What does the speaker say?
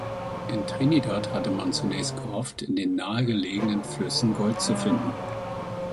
In Trinidad hatte man zunächst gehofft, in den nahe gelegenen Flüssen Gold zu finden.